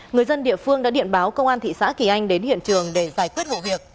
người dân địa phương đã điện báo công an thị xã kỳ anh đến hiện trường để giải quyết vụ việc